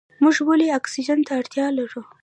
موږ ولې اکسیجن ته اړتیا لرو؟